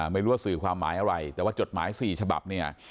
ไม่รู้ว่าสื่อความหมายอะไรแต่ว่าจดหมาย๔ฉบับเนี่ย